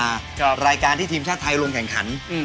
ยังมีบริการที่ทีมชาติไทยวงแข่งขัน